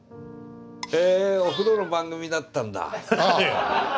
へぇお風呂の番組だったんだ。